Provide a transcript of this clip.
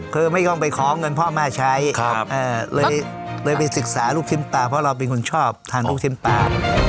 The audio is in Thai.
คือไม่ต้องไปขอเงินพ่อแม่ใช้เลยไปศึกษาลูกชิ้นปลาเพราะเราเป็นคนชอบทานลูกชิ้นปลา